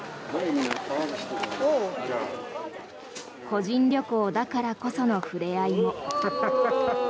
個人旅行だからこその触れ合いも。